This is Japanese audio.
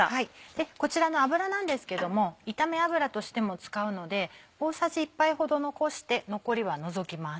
でこちらの油なんですけども炒め油としても使うので大さじ１杯ほど残して残りは除きます。